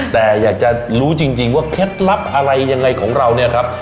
แต่อยากจะรู้จริงว่าเคล็ดลับอะไรยังไงของเราเนี่ยครับ